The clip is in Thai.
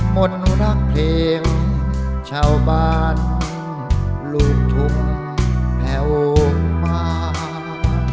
หมดรักเพลงชาวบ้านลูกทุกข์แผ่วโบ้งบ้าน